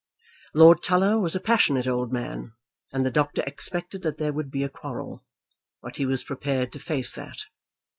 Lord Tulla was a passionate old man, and the doctor expected that there would be a quarrel; but he was prepared to face that.